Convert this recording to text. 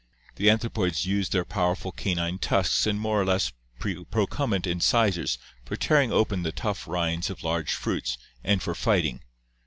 The anthropoids use their powerful canine tusks and more or less procumbent incisors for tearing open the tough rinds of large fruits and for fighting.